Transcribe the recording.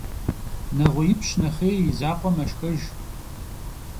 Neğuêipş nexhêy, yi zakhue meşşxejj.